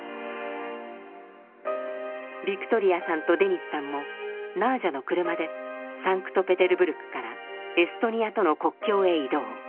ビクトリアさんとデニスさんもナージャの車でサンクトペテルブルクからエストニアとの国境へ移動。